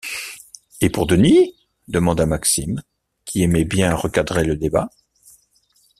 Et pour Denis ? demanda Maxime, qui aimait bien recadrer le débat.